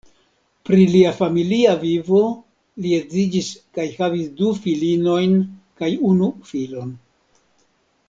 Pri lia familia vivo: li edziĝis kaj havis du filinojn kaj unu filon.